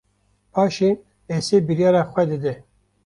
Paşê Esê biryara xwe dide